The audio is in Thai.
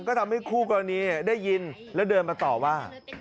ก็ทำให้คู่กรณีได้ยินแล้วเดินมาต่อว่า